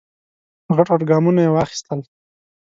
غټ غټ ګامونه یې واخیستل.